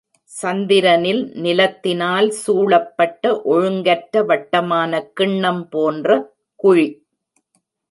சந்திரனில் நிலத்தினால் சூழப்பட்ட ஒழுங்கற்ற வட்டமான கிண்ணம் போன்ற குழி.